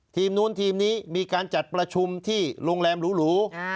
ทีมนู้นทีมนี้มีการจัดประชุมที่โรงแรมหรู